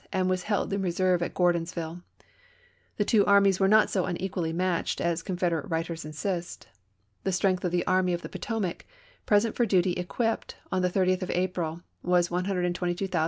and was held in reserve at Gordons^ille. The two armies were not so unequally matched as Confed erate wiiters insist. The strength of the Army of the Potomac, present for duty equipped, on the 30th of April, was 122,146 ; this includes the 22,708 of Burnside's Ninth Corps.